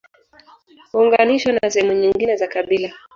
Huunganishwa na sehemu nyingine za kabila